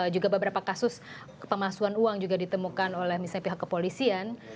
juga beberapa kasus pemalsuan uang juga ditemukan oleh misalnya pihak kepolisian